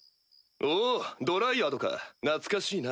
おうドライアドか懐かしいな。